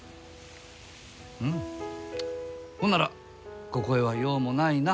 うんほんならここへは用もないな。